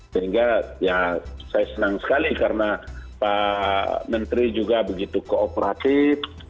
sehingga ya saya senang sekali karena pak menteri juga begitu kooperatif